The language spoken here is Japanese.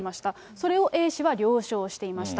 それをＡ氏は了承していました。